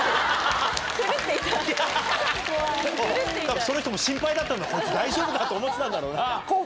多分その人も心配だったんだこいつ大丈夫かと思ってたんだろうな。